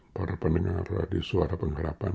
para pendengar di suara pengharapan